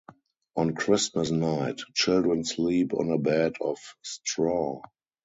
On Christmas night, children sleep on a bed of straw.